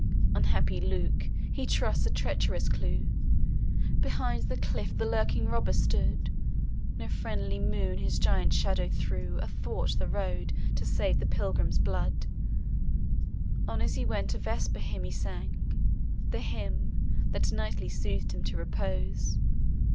Unhappy Luke! he trusts a treacherous clue! Behind the cliff the lurking robber stood; No friendly moon his giant shadow threw Athwart the road, to save the Pilgrim's blood; On as he went a vesper hymn he sang, The hymn, that nightly sooth'd him to repose.